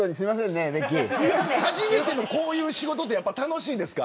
初めてのこういう仕事は楽しいですか。